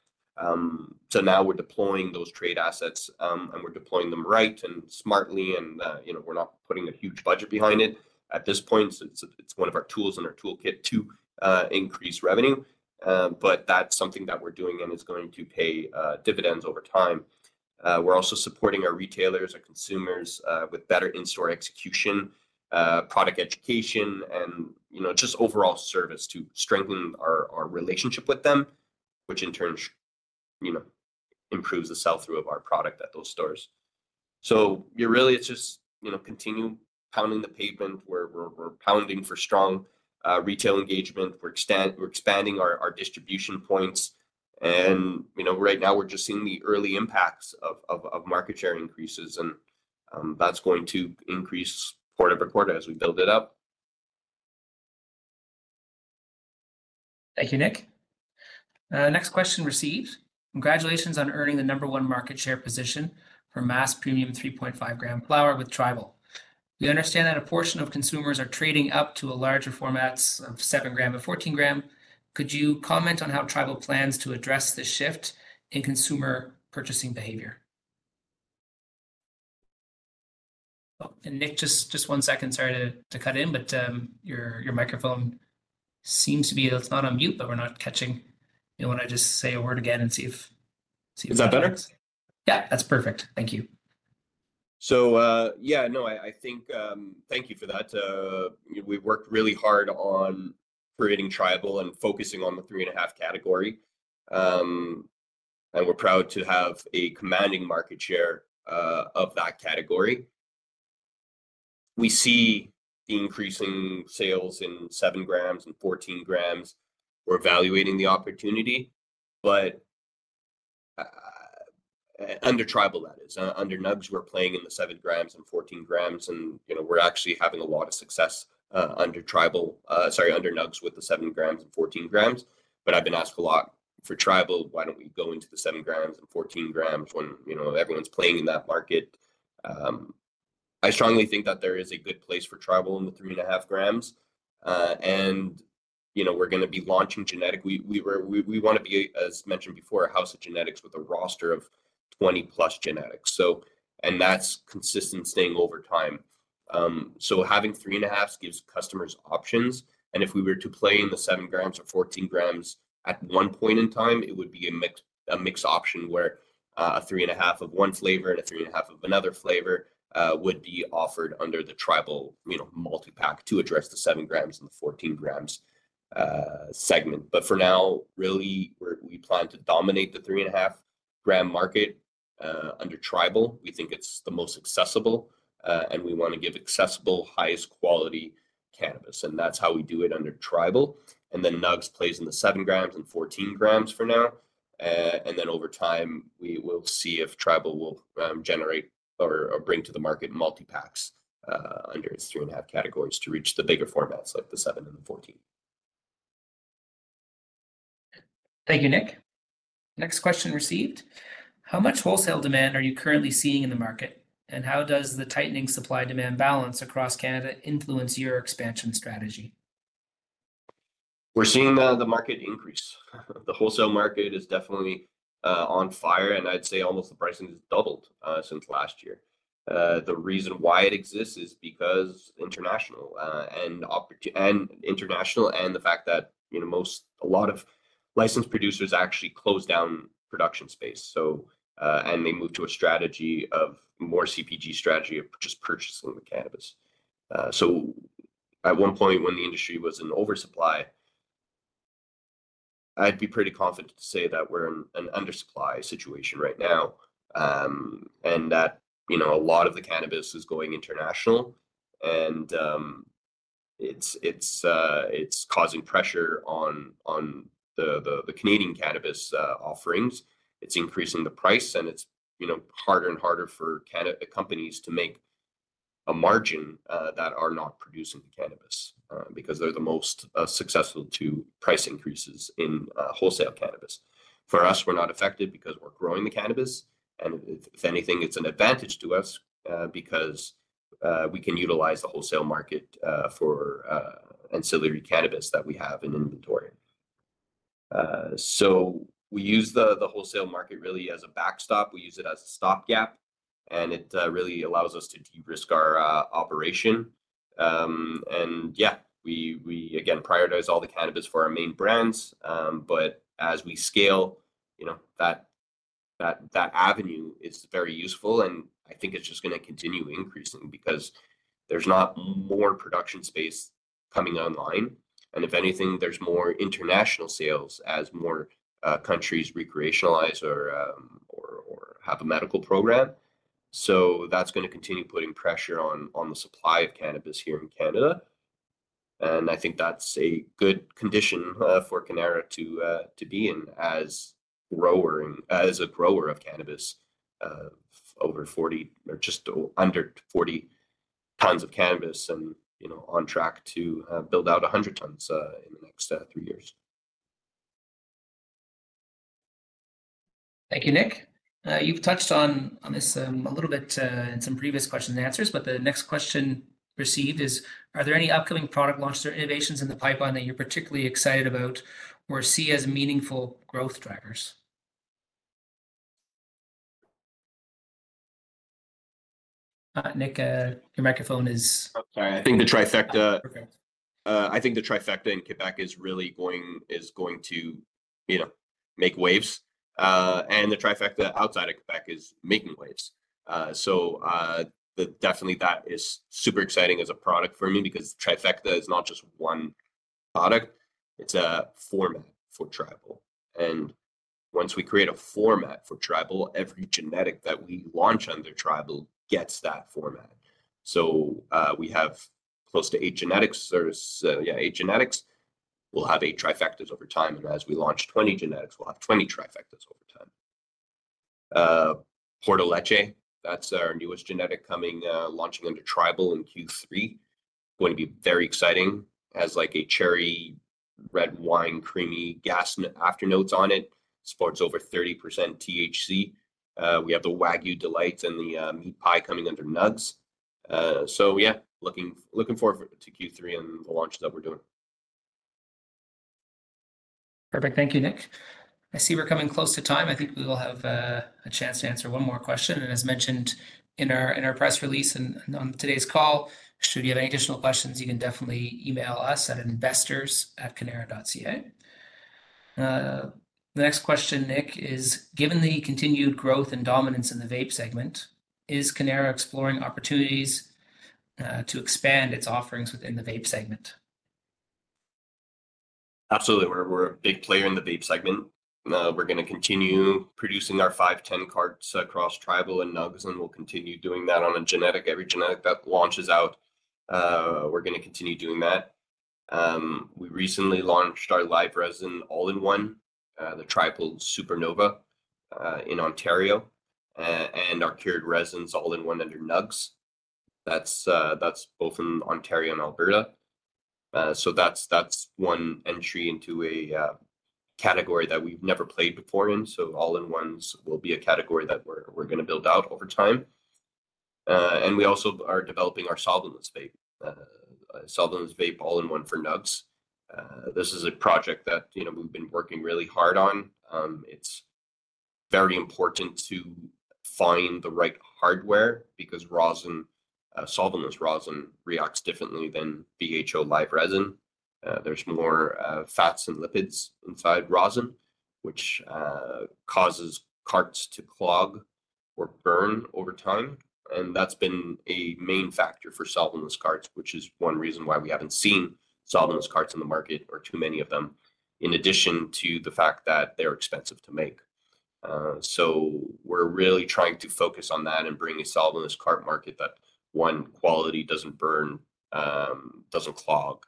Now we're deploying those trade assets, and we're deploying them right and smartly, and we're not putting a huge budget behind it at this point. It's one of our tools in our toolkit to increase revenue. That's something that we're doing and is going to pay dividends over time. We're also supporting our retailers, our consumers with better in-store execution, product education, and just overall service to strengthen our relationship with them, which in turn improves the sell-through of our product at those stores. Really, it's just continue pounding the pavement. We're pounding for strong retail engagement. We're expanding our distribution points. Right now, we're just seeing the early impacts of market share increases, and that's going to increase quarter by quarter as we build it up. Thank you, Nick. Next question received. Congratulations on earning the number one market share position for mass premium 3.5 gram flower with Tribal. We understand that a portion of consumers are trading up to larger formats of 7 gram and 14 gram. Could you comment on how Tribal plans to address the shift in consumer purchasing behavior? Nick, just one second, sorry to cut in, but your microphone seems to be—it's not on mute, but we're not catching. You want to just say a word again and see if. Is that better? Yeah, that's perfect. Thank you. Yeah, no, I think thank you for that. We've worked really hard on creating Tribal and focusing on the 3.5 category. We're proud to have a commanding market share of that category. We see increasing sales in 7 grams and 14 grams. We're evaluating the opportunity, but under Tribal, that is. Under Nugz, we're playing in the 7 grams and 14 grams. We're actually having a lot of success under Tribal, sorry, under Nugz with the 7 grams and 14 grams. I've been asked a lot for Tribal, why don't we go into the 7 grams and 14 grams when everyone's playing in that market? I strongly think that there is a good place for Tribal in the 3.5 grams. We're going to be launching genetic. We want to be, as mentioned before, a house of genetics with a roster of 20 plus genetics. That is consistent staying over time. Having 3.5 gives customers options. If we were to play in the 7 grams or 14 grams at one point in time, it would be a mixed option where a 3.5 of one flavor and a 3.5 of another flavor would be offered under the Tribal multi-pack to address the 7 grams and the 14 grams segment. For now, really, we plan to dominate the 3.5 gram market under Tribal. We think it is the most accessible, and we want to give accessible, highest quality cannabis. That is how we do it under Tribal. Nugz plays in the 7 grams and 14 grams for now. Over time, we will see if Tribal will generate or bring to the market multi-packs under its three and a half categories to reach the bigger formats like the 7 and the 14. Thank you, Nick. Next question received. How much wholesale demand are you currently seeing in the market? How does the tightening supply demand balance across Canada influence your expansion strategy? We're seeing the market increase. The wholesale market is definitely on fire, and I'd say almost the pricing has doubled since last year. The reason why it exists is because international and international and the fact that a lot of licensed producers actually closed down production space. They moved to a strategy of more CPG strategy of just purchasing the cannabis. At one point when the industry was in oversupply, I'd be pretty confident to say that we're in an undersupply situation right now. A lot of the cannabis is going international, and it's causing pressure on the Canadian cannabis offerings. It's increasing the price, and it's harder and harder for companies to make a margin that are not producing the cannabis because they're the most successful to price increases in wholesale cannabis. For us, we're not affected because we're growing the cannabis. If anything, it's an advantage to us because we can utilize the wholesale market for ancillary cannabis that we have in inventory. We use the wholesale market really as a backstop. We use it as a stopgap, and it really allows us to de-risk our operation. Yeah, we again prioritize all the cannabis for our main brands. As we scale, that avenue is very useful. I think it's just going to continue increasing because there's not more production space coming online. If anything, there's more international sales as more countries recreationalize or have a medical program. That's going to continue putting pressure on the supply of cannabis here in Canada. I think that's a good condition for Cannara to be in as a grower of cannabis, over 40 or just under 40 tons of cannabis and on track to build out 100 tons in the next three years. Thank you, Nick. You've touched on this a little bit in some previous questions and answers, but the next question received is, are there any upcoming product launches or innovations in the pipeline that you're particularly excited about or see as meaningful growth drivers? Nick, your microphone is. Sorry, I think the Trifecta. Perfect. I think the Trifecta in Quebec is really going to make waves. The Trifecta outside of Quebec is making waves. That is super exciting as a product for me because Trifecta is not just one product. It is a format for Tribal. Once we create a format for Tribal, every genetic that we launch under Tribal gets that format. We have close to eight genetics. There are eight genetics. We will have eight Trifectas over time. As we launch 20 genetics, we will have 20 Trifectas over time. Porto Leche, that is our newest genetic coming, launching under Tribal in Q3. Going to be very exciting. Has like a cherry, red wine, creamy gas after notes on it. Sports over 30% THC. We have the Wagyu Delight and the Meat Pie coming under Nugz. Yeah, looking forward to Q3 and the launch that we are doing. Perfect. Thank you, Nick. I see we're coming close to time. I think we will have a chance to answer one more question. As mentioned in our press release and on today's call, should you have any additional questions, you can definitely email us at investors@cannara.ca. The next question, Nick, is, given the continued growth and dominance in the vape segment, is Cannara exploring opportunities to expand its offerings within the vape segment? Absolutely. We're a big player in the vape segment. We're going to continue producing our 510 carts across Tribal and Nugz, and we'll continue doing that on a genetic, every genetic that launches out. We're going to continue doing that. We recently launched our live resin all-in-one, the Tribal Supernova in Ontario, and our cured resins all-in-one under Nugz. That is both in Ontario and Alberta. That is one entry into a category that we've never played before in. All-in-ones will be a category that we're going to build out over time. We also are developing our solventless vape, solventless vape all-in-one for Nugz. This is a project that we've been working really hard on. It's very important to find the right hardware because solventless rosin reacts differently than BHO live resin. There are more fats and lipids inside rosin, which causes carts to clog or burn over time. That's been a main factor for solventless carts, which is one reason why we haven't seen solventless carts in the market or too many of them, in addition to the fact that they're expensive to make. We are really trying to focus on that and bring a solventless cart market that, one, quality doesn't burn, doesn't clog,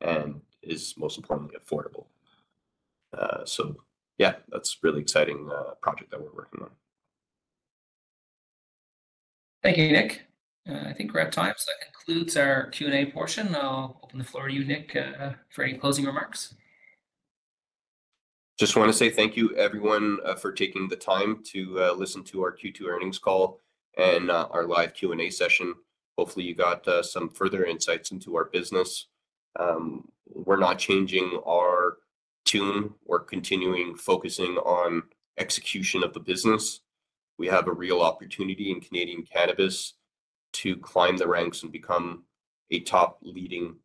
and is most importantly affordable. Yeah, that's a really exciting project that we're working on. Thank you, Nick. I think we're at time. That concludes our Q&A portion. I'll open the floor to you, Nick, for any closing remarks. Just want to say thank you, everyone, for taking the time to listen to our Q2 earnings call and our live Q&A session. Hopefully, you got some further insights into our business. We're not changing our tune or continuing focusing on execution of the business. We have a real opportunity in Canadian cannabis to climb the ranks and become a top leading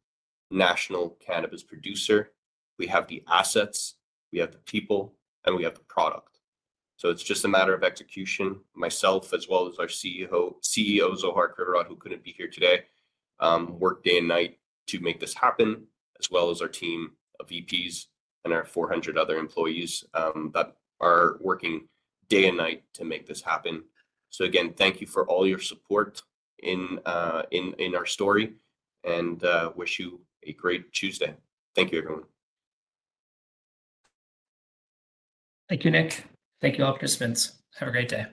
national cannabis producer. We have the assets, we have the people, and we have the product. It is just a matter of execution. Myself, as well as our CEO, Zohar Krivorot, who could not be here today, worked day and night to make this happen, as well as our team, our VPs, and our 400 other employees that are working day and night to make this happen. Again, thank you for all your support in our story, and wish you a great Tuesday. Thank you, everyone. Thank you, Nick. Thank you, Nicholas Sosiak. Have a great day.